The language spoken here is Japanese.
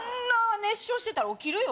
熱唱してたら起きるよ